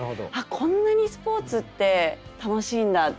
こんなにスポーツって楽しいんだ。